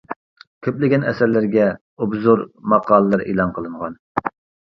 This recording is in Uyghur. كۆپلىگەن ئەسەرلىرىگە ئوبزور ماقالىلەر ئېلان قىلىنغان.